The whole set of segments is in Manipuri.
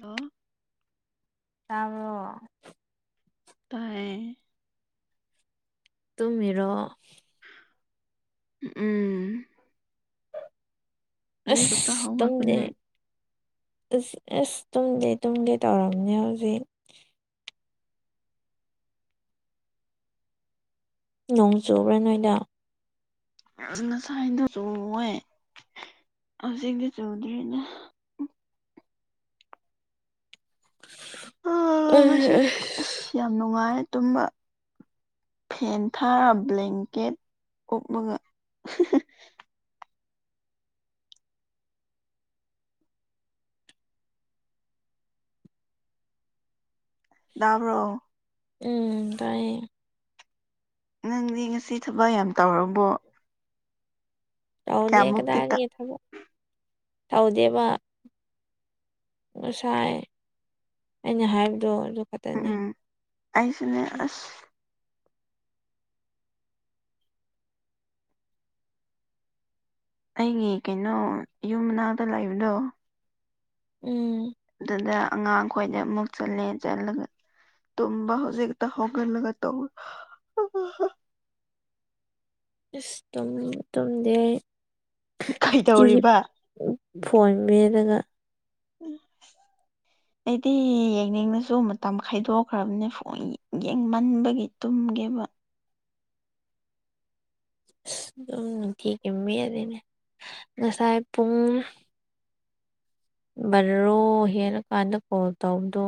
ꯍꯜꯂꯣ ꯇꯕꯔꯣ ꯇꯥꯏꯌꯦ ꯇꯨꯃꯤꯔꯣ ꯎꯝ ꯍꯧꯖꯤꯛ ꯈꯛꯇ ꯑꯁ ꯇꯝꯗꯦ ꯍꯧꯒꯠꯄꯅꯦ ꯑꯁ ꯑꯁ ꯇꯨꯝꯗꯦ ꯇꯨꯝꯗꯦ ꯇꯧꯔꯝꯅꯦ ꯍꯧꯖꯤꯛ ꯅꯣꯡ ꯆꯨꯕ꯭ꯔꯥ ꯅꯣꯏꯗ ꯉꯁꯥꯏꯗꯣ ꯆꯦ ꯍꯧꯖꯤꯛꯇꯗꯤ ꯆꯨꯗ꯭ꯔꯤꯅꯦ ꯑ ꯃꯣꯏ ꯑꯁ ꯌꯥꯝ ꯅꯨꯡꯉꯥꯏꯔꯦ ꯇꯨꯝꯝꯕ ꯐꯦꯟ ꯊꯥꯔ ꯕ꯭ꯂꯦꯡꯀꯦꯠ ꯑꯣꯞꯂꯒ ꯇꯕ꯭ꯔꯣ ꯎ ꯇꯥꯏ ꯅꯪꯗꯤ ꯉꯁꯤ ꯊꯕꯛ ꯌꯥꯝ ꯇꯧꯔꯕꯣ ꯇꯧꯗꯦ ꯀꯌꯥꯃꯨꯛꯇꯤ ꯇ ꯀꯗꯥꯏꯔꯤ ꯊꯕꯛ ꯇꯧꯗꯦꯕ ꯉꯁꯥꯏ ꯑꯩꯅ ꯍꯥꯏꯕꯗꯣ ꯑꯗꯨ ꯈꯛꯇꯅꯤ ꯑꯩꯁꯤꯅꯦ ꯑꯁ ꯑꯩꯒꯤ ꯀꯩꯅꯣ ꯌꯨꯝ ꯃꯅꯥꯛꯇ ꯂꯥꯛꯏꯕꯗꯣ ꯎꯝ ꯑꯗꯨꯗ ꯑꯉꯥꯡ ꯈꯈꯣꯏꯗ ꯑꯃꯨꯛ ꯆꯠꯂꯦ ꯆꯠꯂꯒ ꯇꯨꯝ ꯍꯧꯖꯤꯒꯛꯇ ꯍꯂꯒ ꯇ ꯏꯁ ꯇꯨꯝ ꯇꯝꯗꯤ ꯇꯨꯜꯗꯦ ꯀꯩꯗꯧꯔꯤꯕ ꯐꯣꯟ ꯃꯦꯠꯂꯒ [inaudible] ꯑꯩꯗꯤ ꯌꯦꯡꯅꯤꯡꯉꯥꯁꯨ ꯃꯇꯝ ꯈꯥꯏꯗꯣꯛꯈ꯭ꯔꯕꯅꯦ ꯐꯣꯟ ꯌꯦꯡꯃꯟꯕꯒꯤ ꯇꯨꯝꯒꯦꯕ ꯑꯁ ꯑꯗꯨꯝ ꯅꯨꯡꯇꯤꯒꯤ ꯃꯦꯠꯂꯤꯅꯦ ꯉꯁꯥꯏ ꯄꯨꯡ ꯕꯥꯔꯔꯣ ꯍꯦꯜꯂꯥ ꯀꯥꯟꯗ ꯀꯣꯜ ꯇꯧꯕꯗꯣ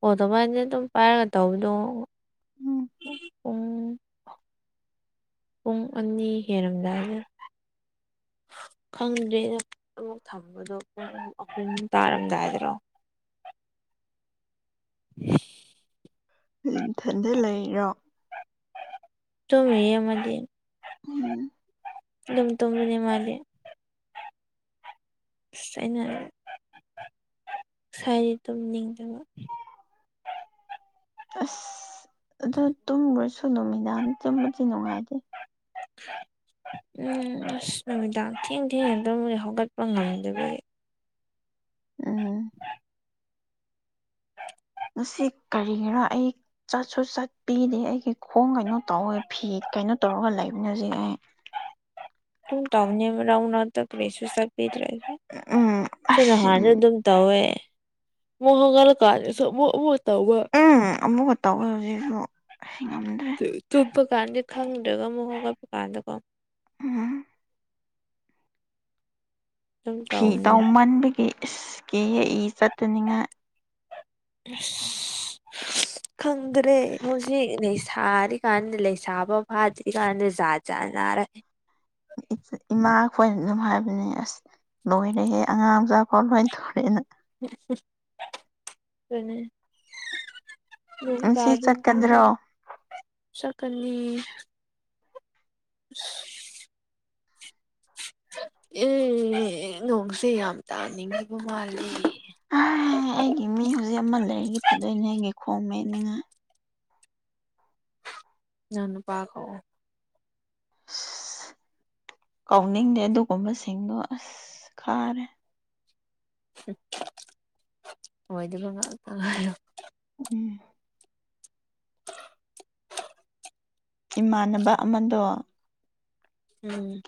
ꯑꯣ ꯑꯗꯨꯃꯥꯏꯅ ꯑꯗꯨꯝ ꯄꯥꯏꯔꯒ ꯇꯧꯕꯗꯣ ꯎꯝ ꯄꯨꯡ ꯄꯨꯡ ꯑꯅꯤ ꯍꯦꯜꯔꯝꯗꯥꯏꯗ ꯈꯪꯗ꯭ꯔꯦꯗꯥ ꯑꯃꯨꯛ ꯊꯝꯕꯗꯣ ꯄꯨꯡ ꯑꯍꯨꯝ ꯇꯥꯔꯝꯗꯥꯏꯗꯔꯣ [unintelligible] ꯅꯥꯊꯟꯗ ꯂꯩꯔꯣ ꯇꯨꯃꯤꯌꯦ ꯑꯃꯗꯤ ꯎꯝ ꯑꯗꯨꯝ ꯇꯨꯝꯕꯥꯅꯦ ꯃꯥꯗꯤ ꯑꯁ ꯑꯩꯅ ꯁꯥꯏꯒꯤ ꯇꯨꯝꯅꯤꯡꯗꯕ ꯑꯁ ꯑꯗꯨ ꯇꯨꯝꯒꯔꯁꯨ ꯅꯨꯃꯤꯗꯥꯡ ꯇꯨꯝꯕꯗꯤ ꯅꯨꯡꯉꯥꯏꯇꯦ ꯎꯝ ꯑꯁ ꯅꯨꯃꯤꯗꯥꯡ ꯊꯦꯡ ꯊꯦꯡꯉꯥ ꯇꯨꯝꯃꯦ ꯍꯧꯒꯠꯄ ꯉꯝꯗꯕꯒꯤ ꯎꯝ ꯉꯁꯤ ꯀꯔꯤꯒꯤꯔꯥ ꯑꯩ ꯆꯠꯁꯨ ꯆꯠꯄꯤꯗꯦ ꯑꯩꯒꯤ ꯈꯣꯡ ꯀꯩꯅꯣ ꯇꯧꯋꯦ ꯐꯤꯠ ꯀꯩꯅꯣ ꯇꯧꯔꯒ ꯂꯩꯕꯅ ꯍꯧꯖꯤꯛ ꯑꯩ ꯁꯨꯝ ꯇꯧꯕꯥꯅꯦ ꯃꯔꯛ ꯃꯔꯛꯇꯥ ꯀꯔꯤꯁꯨ ꯆꯠꯄꯤꯗꯔꯥꯗꯤ ꯎꯝ ꯑꯁ ꯇꯧꯋꯦ ꯃꯨꯛ ꯍꯧꯒꯠꯂꯥ ꯀꯥꯟꯗꯁꯨ ꯃꯨꯛ ꯃꯨꯛ ꯇꯧꯕꯥ ꯎꯝ ꯑꯃꯨꯛꯀꯥ ꯇꯧꯋꯦ ꯍꯧꯖꯤꯛꯁꯨ ꯑꯩ ꯉꯝꯗ꯭ꯔꯦ ꯇꯨꯞꯄ ꯀꯥꯟꯗꯤ ꯈꯪꯗ꯭ꯔꯕꯥ ꯑꯃꯨꯛ ꯍꯧꯒꯠꯄꯥ ꯀꯥꯟꯗꯀꯣ ꯎꯝ ꯑꯗꯨꯝ ꯐꯤ ꯇꯧꯕꯅꯦ ꯇꯥꯎꯃꯟꯕꯒꯤ ꯏꯁ ꯀꯤꯌꯦ ꯏꯆꯠꯇꯅꯤꯡꯉꯥꯏ ꯈꯪꯗ꯭ꯔꯦ ꯍꯧꯖꯤꯛ ꯊꯥꯔꯤꯀꯥꯟꯗ ꯂꯩꯁꯥꯕ ꯐꯥꯗ꯭ꯔꯤꯀꯥꯟꯗ ꯖꯥꯠꯖꯥ ꯅꯥꯔꯦ ꯏꯃꯥ ꯈꯣꯏꯅ ꯑꯗꯨꯝ ꯍꯥꯏꯕꯅꯦ ꯑꯁ ꯂꯣꯏꯔꯦꯍꯦ ꯑꯉꯥꯡ ꯃꯆꯥ ꯐꯥꯎ ꯑꯗꯨꯃꯥꯏ ꯊꯧꯔꯦꯅ ꯑꯗꯨꯨꯅꯦ ꯉꯁꯤ ꯅꯣꯡꯇꯥꯔꯥꯗꯤ ꯗꯨꯃ ꯆꯠꯀꯗ꯭ꯔꯣ ꯆꯠꯀꯅꯤ [unintelligible] ꯑꯦ ꯅꯣꯡꯁꯦ ꯌꯥꯝ ꯇꯥꯅꯤꯡꯈꯤꯕ ꯃꯥꯜꯂꯤ ꯑꯩꯒꯤ ꯃꯤ ꯍꯧꯖꯤꯛ ꯑꯃ ꯂꯩꯔꯗꯤ ꯐꯗꯣꯏꯅꯦ ꯑꯩꯒꯤ ꯈꯣꯡ ꯃꯦꯠꯅꯤꯡꯉꯥꯏ ꯅꯪ ꯅꯨꯄꯥ ꯀꯧ ꯑꯁ ꯀꯥꯎꯅꯤꯡꯗꯦ ꯑꯗꯨꯒꯨꯝꯕꯁꯤꯡꯗꯣ ꯑꯁ ꯈꯥꯔꯦ ꯑꯣꯏꯗꯥꯕ ꯉꯥꯛꯇ ꯉꯥꯏꯔꯦ ꯎꯝ [unintelligible] ꯏꯃꯥꯟꯅꯕ ꯑꯃꯗꯣ ꯎꯝ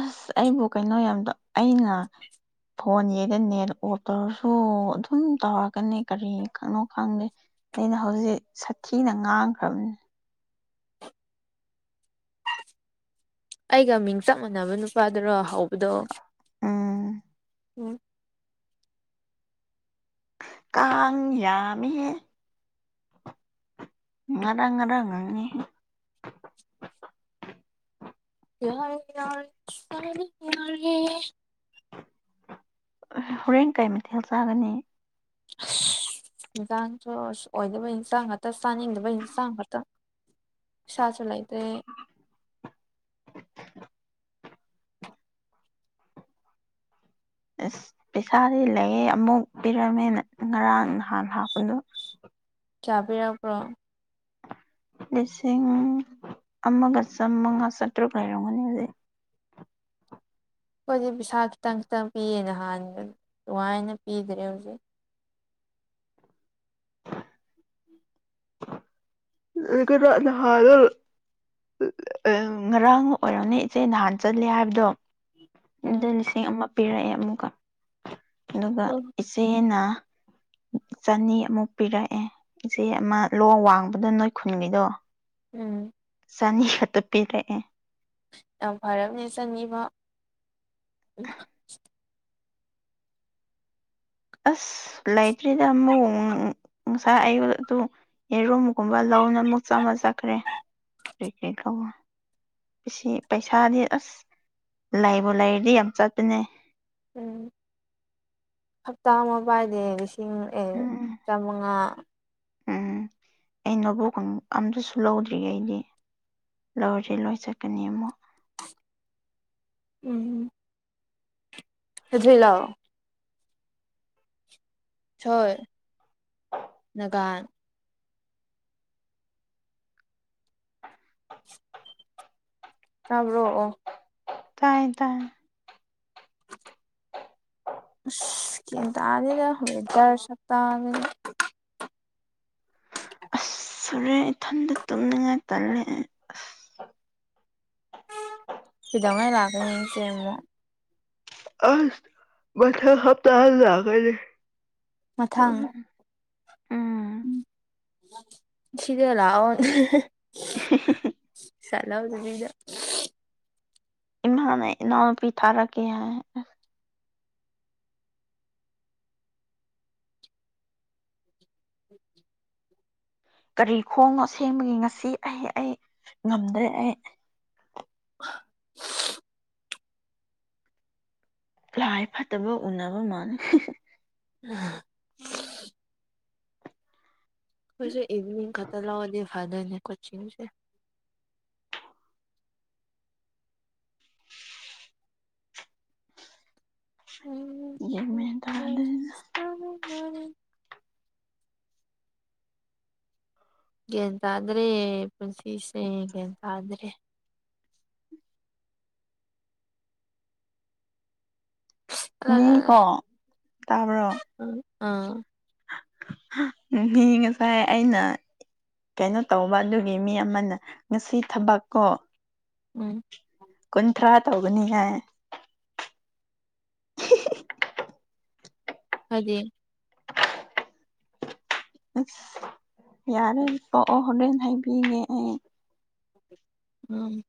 ꯑꯁ ꯑꯩꯕꯨ ꯀꯩꯅꯣ ꯌꯥꯝꯗꯣ ꯑꯩꯅ ꯐꯣꯟ ꯅꯦꯠ ꯑꯣꯐ ꯇꯧꯔꯁꯨ ꯑꯗꯨꯝ ꯇꯧꯔꯛꯀꯅꯤ ꯀꯔꯤꯅꯣ ꯈꯪꯗꯦ ꯑꯩꯅ ꯍꯧꯖꯤꯛ ꯁꯥꯊꯤꯅ ꯉꯥꯡꯈ꯭ꯔꯕꯅꯤ ꯑꯩꯒ ꯃꯤꯡ ꯆꯞ ꯃꯥꯟꯅꯕ ꯅꯨꯄꯥꯗꯨꯔꯣ ꯍꯧꯕꯗꯣ ꯎꯝ ꯎꯝ ꯀꯥꯡꯌꯥꯃꯤꯍꯦ ꯉꯥꯔꯪꯡ ꯉꯥꯔꯪꯡ ꯉꯪꯉꯤꯍꯦ ꯍꯥꯔꯦ ꯌꯥꯔꯦ ꯏꯁꯥꯅꯥ ꯌꯥꯔꯦ ꯍꯣꯔꯦꯟ ꯀꯩ ꯃꯊꯦꯜ ꯆꯥꯒꯅꯤ ꯑꯁ ꯌꯦꯟꯁꯥꯡꯁꯨ ꯑꯁ ꯑꯣꯏꯗꯕ ꯏꯟꯁꯥꯡ ꯉꯥꯛꯇ ꯆꯥꯅꯤꯡꯗꯕ ꯏꯟꯁꯥꯡ ꯉꯥꯛꯇ ꯄꯩꯁꯥꯁꯨ ꯂꯩꯇ꯭ꯔꯦ ꯑꯁ ꯄꯩꯁꯥꯗꯤ ꯂꯩꯌꯦ ꯑꯃꯨꯛ ꯄꯤꯔꯝꯃꯦ ꯉꯔꯥꯡ ꯅꯍꯥꯟ ꯂꯥꯛꯄꯗꯣ ꯀ꯭ꯌꯥ ꯄꯤꯔꯛꯄ꯭ꯔꯣ ꯂꯤꯁꯤꯡ ꯑꯃꯒ ꯆꯃꯉꯥ ꯆꯇ꯭ꯔꯨꯛ ꯂꯩꯔꯝꯒꯅꯤ ꯍꯧꯖꯤꯛ ꯈꯣꯏꯗꯤ ꯄꯩꯁꯥ ꯈꯤꯇꯪ ꯈꯤꯇꯪ ꯄꯤꯌꯦ ꯅꯍꯥꯟꯒꯩ ꯗꯨꯃꯥꯏꯅ ꯄꯤꯗ꯭ꯔꯦ ꯍꯧꯖꯤꯛ [unintelligible] ꯉꯔꯥꯡ ꯑꯣꯏꯔꯝꯅꯤ ꯏꯆꯦ ꯅꯍꯥꯟ ꯆꯠꯂꯤ ꯍꯥꯏꯕꯗꯣ ꯑꯗꯨ ꯎꯝ ꯂꯤꯁꯤꯡ ꯑꯃ ꯄꯤꯔꯛꯑꯦ ꯑꯃꯨꯛꯀ ꯑꯗꯨꯒ ꯎꯝ ꯏꯆꯦꯅ ꯆꯅꯤ ꯑꯃꯨꯛ ꯄꯤꯔꯛꯑꯦ ꯏꯆꯦ ꯑꯃ ꯂꯣ ꯋꯥꯡꯕꯗꯣ ꯅꯣꯏ ꯈꯨꯟꯒꯤꯗꯣ ꯎꯝ ꯆꯅꯤ ꯈꯛꯇ ꯄꯤꯔꯛꯑꯦ ꯗꯥꯎ ꯐꯔꯕꯅꯦ ꯆꯅꯤꯕꯥꯎ ꯑꯁ ꯂꯩꯇ꯭ꯔꯦꯗ ꯑꯃꯨꯛ ꯉꯁꯥꯏ ꯑꯌꯨꯛ ꯑꯗꯨ ꯌꯦꯔꯨꯝꯒꯨꯝꯕ ꯂꯧꯅ ꯑꯃꯨꯛ ꯆꯥꯃ ꯆꯠꯈ꯭ꯔꯦ ꯀ꯭ꯔꯤ [unintelligible] ꯑꯁꯤ ꯄꯩꯁꯥꯗꯤ ꯑꯁ ꯂꯩꯕꯨ ꯂꯩꯔꯗꯤ ꯌꯥꯝ ꯆꯠꯄꯅꯦ ꯎꯝ ꯍꯞꯇꯥ ꯑꯃ ꯄꯥꯏꯗꯦ ꯂꯤꯁ ꯎꯝ [unintelligible] ꯆꯥꯃꯉꯥ ꯑꯩꯅꯕꯨ [unintelligible] ꯑꯝꯇꯁꯨ ꯂꯧꯗ꯭ꯔꯤꯌꯦ ꯑꯩꯗꯤ ꯂꯧꯔꯗꯤ ꯂꯣꯏ ꯆꯠꯀꯅꯤ ꯑꯃꯨꯛ ꯎꯝ ꯍꯨꯖꯤꯛꯂꯥꯛꯑꯣ [unintelligible] ꯇꯥꯕ꯭ꯔꯣꯑꯣ ꯇꯥꯏꯌꯦ ꯇꯥꯏꯌꯦ [inaudible] ꯑꯁ ꯒ꯭ꯌꯟ ꯇꯥꯗꯦꯗ ꯋꯦꯗꯔ ꯁꯛꯇꯥꯁꯤꯒ ꯑꯁ ꯍꯨꯔꯦꯟ ꯏꯊꯟꯗ ꯇꯨꯝꯅꯤꯡꯉꯥꯏ ꯇꯜꯂꯦ ꯑꯩ ꯑꯁ ꯀꯩꯗꯉꯩ ꯂꯥꯛꯀꯅꯤ ꯅꯆꯦ ꯑꯃꯨꯛ ꯑꯁ ꯃꯊꯪ ꯍꯥꯞꯇꯗ ꯂꯥꯛꯀꯅꯤ ꯃꯊꯪ ꯎꯝ ꯁꯤꯗ ꯂꯥꯛꯑꯣ [unintelligible] [unintelligible] ꯂꯧꯗꯕꯤꯗ ꯏꯃꯥꯅ ꯏꯅꯥꯎꯅꯨꯄꯤ ꯊꯥꯔꯛꯀꯦ ꯍꯥꯏ ꯑ ꯀꯔꯤ ꯈꯣꯡꯅꯣ ꯑꯁꯦꯡꯕꯒꯤ ꯉꯁꯤ ꯑꯩ ꯑꯩ ꯉꯝꯗ꯭ꯔꯦ ꯑꯩ [unintelligible] ꯂꯥꯏ ꯐꯠꯇꯕ ꯎꯅꯕ ꯃꯥꯥꯟꯅꯦ [unintelligible] ꯑꯩꯖꯨ ꯏꯚꯅꯤꯡ ꯈꯛꯇ ꯂꯧꯔꯗꯤ ꯐꯗꯣꯏꯅꯦ ꯀꯣꯆꯤꯡꯖꯦ ꯎꯝ ꯒ꯭ꯌꯥꯟ ꯃꯦꯟ ꯇꯥꯗꯔꯦꯗ [unintelligible] ꯒ꯭ꯌꯥꯟ ꯇꯥꯗꯔꯦ ꯄꯨꯟꯁꯤꯁꯦ ꯒ꯭ꯌꯥꯟ ꯇꯥꯗꯔꯦ ꯑꯂ ꯃꯤ ꯂ ꯂ ꯀꯣ ꯇꯥꯕ꯭ꯔꯣ [unintelligible] ꯑꯥ [unintelligible] ꯃꯤ ꯉꯁꯥꯏ ꯑꯩꯅ ꯀꯩꯅꯣ ꯇꯧꯕ ꯑꯗꯨꯒꯤ ꯃꯤ ꯑꯃꯅ ꯉꯁꯤ ꯊꯕꯛ ꯀꯣ ꯎꯝ ꯀꯨꯟꯊ꯭ꯔꯥ ꯇꯧꯒꯅꯤ ꯍꯥꯏ ꯍꯣꯏꯗꯤ ꯑꯁ ꯌꯥꯔꯦ ꯇꯣꯛꯑꯣ ꯍꯣꯔꯦꯟ ꯍꯥꯏꯕꯤꯒꯦ ꯑꯩ ꯎꯝ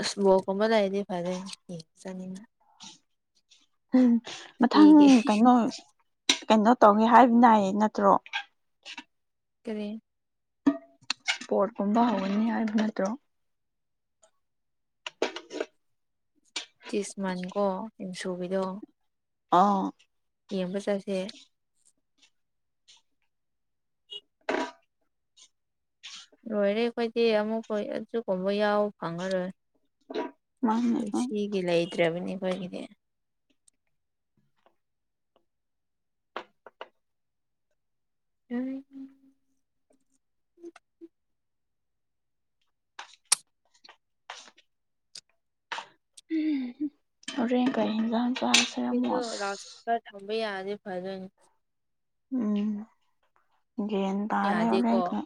ꯑꯁ ꯃꯣꯔꯣꯛ ꯀꯨꯝꯕ ꯂꯩꯔꯗꯤ ꯐꯥꯔꯦ ꯆꯥꯅꯤꯡꯉꯦ ꯎꯝ ꯃꯊꯪ ꯐ꯭ꯔꯤꯒꯤ ꯀꯩꯅꯣ ꯀꯩꯅꯣ ꯇꯧꯒꯦ ꯍꯥꯏꯕ ꯅꯥꯏꯌꯦ ꯅꯠꯇ꯭ꯔꯣ ꯀꯔꯤ ꯄꯣꯠꯀꯨꯝꯕ ꯍꯧꯒꯅꯤ ꯍꯥꯏꯕ ꯅꯠꯇ꯭ꯔꯣ ꯇꯤꯁ ꯃꯟꯀꯣ ꯌꯨꯝ ꯁꯨꯕꯤꯗꯣ ꯑꯥ ꯌꯦꯡꯕ ꯆꯥꯠꯁꯦ ꯂꯣꯏꯔꯦ ꯑꯩꯈꯣꯏꯗꯤ ꯑꯃꯨꯛꯈꯣꯏ ꯑꯗꯨꯒꯨꯝꯕ ꯌꯥꯎ ꯐꯪꯉꯔꯣꯏ ꯃꯥꯅꯦ ꯄꯨꯟꯁꯤꯒꯤ ꯂꯩꯇ꯭ꯔꯕꯅꯤ ꯑꯩꯈꯣꯏꯒꯤꯗꯤ [unintelligible] ꯎꯝ ꯍꯣꯔꯦꯟ ꯀꯩ ꯏꯟꯖꯥꯡ ꯆꯥ ꯁꯤꯁꯨ ꯔꯥꯎ ꯁ꯭ꯄꯤꯛꯀꯔ ꯊꯝꯕ ꯌꯥꯔꯗꯤ ꯐꯗꯧꯅꯤ ꯎꯝ ꯒ꯭ꯌꯥꯟ ꯇꯥꯅꯤ ꯌꯥꯗꯦꯀꯣ ꯍꯣꯔꯦꯟꯀꯥ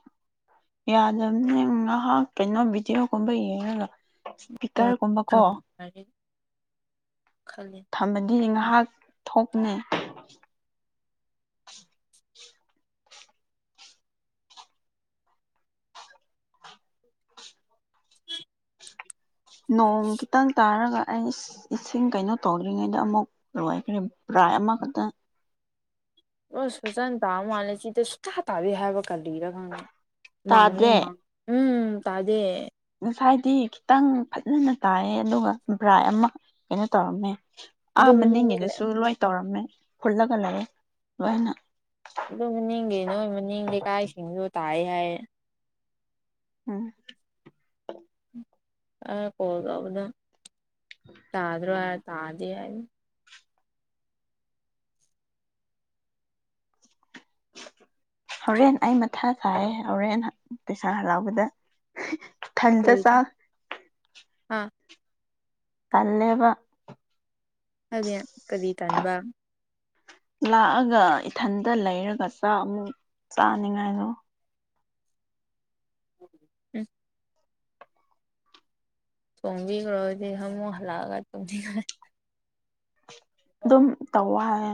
ꯌꯥꯗꯕꯅꯦ ꯉꯥꯏꯍꯥꯛ ꯀꯩꯅꯣ ꯚꯤꯗꯤꯑꯣꯒꯨꯝꯕ ꯌꯦꯡꯉꯥꯒꯥ [unintelligible] ꯈꯜꯂꯦ ꯊꯝꯃꯥꯗꯤ ꯉꯥꯍꯥꯛ ꯊꯣꯛꯅꯤ ꯅꯣꯡ ꯈꯤꯇꯪ ꯇꯥꯔꯒꯥ ꯑꯩ ꯏꯁꯤꯡ ꯀꯩꯅꯣ ꯇꯧꯗ꯭ꯔꯤꯉꯩꯗ ꯑꯃꯨꯛ ꯂꯣꯏꯈ꯭ꯔꯦ ꯕ꯭ꯔꯥꯏ ꯑꯃꯈꯛꯇꯪ ꯑꯣꯁ ꯐꯖꯅ ꯇꯥꯕ ꯃꯥꯜꯂꯦ ꯁꯤꯗ ꯁꯨꯇꯥ ꯇꯥꯗꯦ ꯍꯥꯏꯕ ꯀꯜꯂꯤꯔ ꯈꯪꯉꯦ ꯃꯪꯉꯥ ꯇꯥꯗꯦ ꯃꯪꯉꯥ ꯎꯝ ꯇꯥꯗꯦ ꯉꯁꯥꯏꯗꯤ ꯈꯤꯇꯪ ꯐꯖꯅ ꯇꯥꯏꯌꯦ ꯑꯗꯨꯒ ꯕ꯭ꯔꯥꯏ ꯑꯃ ꯀꯩꯅꯣ ꯇꯧꯔꯝꯃꯦ ꯑꯗꯨ ꯑꯥ ꯃꯅꯨꯡꯗ ꯃꯅꯤꯡꯒꯤꯗꯨꯁꯨ ꯂꯣꯏ ꯇꯧꯔꯝꯃꯦ ꯐꯨꯜꯂꯒꯥ ꯂꯩꯔꯦ ꯂꯣꯏꯅ ꯑꯗꯨ ꯃꯅꯤꯡꯒꯤ ꯅꯣꯏ ꯃꯅꯤꯡ ꯂꯩꯀꯥꯏꯁꯤꯡꯁꯨ ꯇꯥꯏ ꯍꯥꯏ ꯎꯝ ꯑꯥ ꯀꯣꯜ ꯇꯧꯕꯗꯥ ꯇꯥꯗꯔꯥ ꯍꯥꯏꯔꯒꯥ l ꯍꯣꯔꯦꯟ ꯑꯩ ꯃꯊꯥ ꯁꯥꯏ ꯍꯣꯔꯦꯟ ꯄꯩꯁꯥ ꯍꯔꯥꯎꯕꯗꯥ ꯀꯔꯤꯗꯥ ꯍꯥꯥ ꯇꯜꯂꯦꯕ [unintelligible] ꯀꯔꯤ ꯇꯟꯕ ꯂꯥꯛꯑꯒꯥ ꯏꯊꯟꯇꯥ ꯂꯩꯔꯒꯥ ꯆꯥꯛ ꯑꯃꯨꯛ ꯆꯥꯅꯤꯡꯉꯥꯏꯗꯣ ꯎꯝ ꯊꯣꯡꯕꯤꯒꯔꯣꯗꯤ ꯑꯃꯨꯛ ꯍꯜꯂꯛꯑꯒꯥ ꯑꯗꯨꯝ ꯇꯧꯋꯦ ꯍꯥꯏꯌꯦ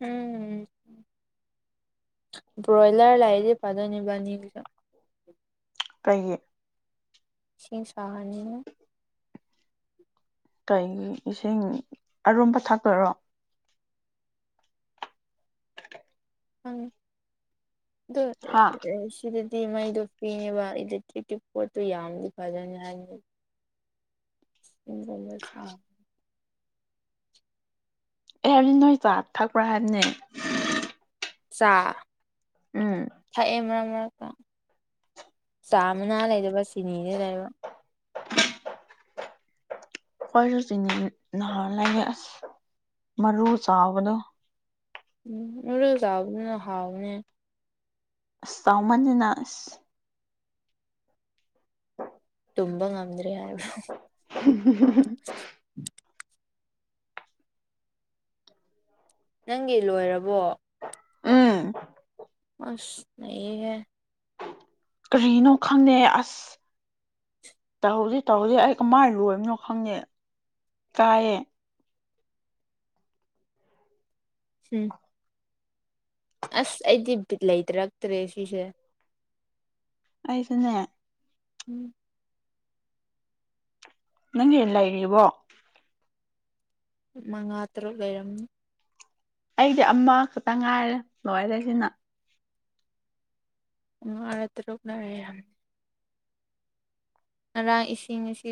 ꯎꯝ ꯕ꯭ꯔꯣꯏꯂꯔ ꯂꯥꯏꯔꯗꯤ ꯐꯗꯣꯏꯅꯤ ꯏꯕꯥꯅꯤꯒꯤꯁꯨ ꯀꯩꯒꯤ ꯏꯁꯤꯡ ꯁꯥꯍꯟꯅꯤ ꯀꯩꯒꯤ ꯏꯁꯤꯡ ꯑꯔꯨꯝꯕ ꯊꯛꯇꯣꯏꯔꯣ [unintelligible] ꯍꯥ ꯗꯤ ꯃꯩꯗꯣ ꯄꯤꯌꯦꯕ ꯏꯂꯦꯛꯇ꯭ꯔꯤꯛꯀꯤ ꯄꯣꯠꯇꯨ ꯌꯥꯝꯗꯤ ꯐꯖꯅꯤ ꯍꯥꯏꯅꯤ [unintelligible] ꯑꯩ ꯍꯥꯏꯕꯗꯤ ꯅꯣꯏ ꯆꯥ ꯊꯛꯄ꯭ꯔꯥ ꯍꯥꯏꯕꯅꯦ ꯆꯥ ꯎꯝ ꯊꯛꯑꯦ ꯃꯔꯛ ꯃꯔꯛꯇꯥ ꯆꯥꯃꯅꯥ ꯂꯩꯗꯕ ꯆꯤꯅꯤꯗꯤ ꯂꯩꯕ ꯈꯣꯏꯖꯨ ꯆꯤꯅꯤ ꯅꯍꯥꯟ ꯂꯩꯌꯦ ꯑꯁ ꯃꯔꯨ ꯆꯥꯎꯕꯗꯣ ꯎꯝ ꯎꯔꯣ ꯆꯥꯕꯗꯨꯅ ꯍꯥꯎꯕꯅꯦ ꯑꯁ ꯆꯥꯎꯃꯟꯗꯅ ꯑꯁ ꯇꯨꯝꯕ ꯉꯝꯗ꯭ꯔꯦ ꯍꯥꯏꯕ ꯍꯍꯥꯍꯨ ꯅꯪꯒꯤ ꯂꯣꯏꯔꯕꯣ ꯎꯝ ꯑꯁ ꯅꯩꯍꯦ ꯀꯔꯤꯅꯣ ꯈꯪꯗꯦ ꯑꯁ ꯇꯧꯍꯧꯖꯤ ꯇꯧꯍꯧꯖꯤ ꯑꯩ ꯀꯃꯥꯏꯟ ꯂꯣꯏꯕꯅꯣ ꯈꯪꯗꯦ ꯀꯥꯏꯌꯦ [unintelligible] ꯑꯁ ꯑꯩꯗꯤ ꯕꯤꯠ ꯂꯩꯇꯔꯛꯇ꯭ꯔꯦ ꯁꯤꯁꯦ ꯑꯩꯁꯨꯅꯦ ꯎꯝ ꯅꯪꯒꯤ ꯂꯩꯔꯤꯕꯣ ꯃꯉꯥ ꯇꯔꯨꯛ ꯂꯩꯔꯝꯃꯤ ꯑꯩꯗꯤ ꯑꯃ ꯈꯛꯇ ꯉꯥꯏꯔꯦ ꯂꯣꯏꯔꯦ ꯁꯤꯅ ꯃꯉꯥ ꯔ ꯇꯔꯨꯛꯔ ꯌꯥꯝ ꯉꯔꯥꯡ ꯏꯁꯤꯡ ꯑꯁꯤ